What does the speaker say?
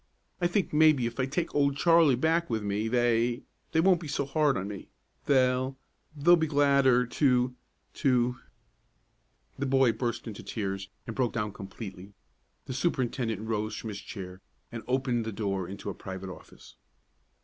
I think maybe if I take Old Charlie back with me they they won't be so hard on me; they they'll be gladder to to " The boy burst into tears, and broke down completely. The superintendent rose from his chair, and opened the door into a private office.